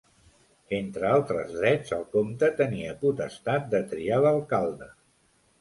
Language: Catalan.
Entre altres drets el comte tenia potestat de triar l'alcalde.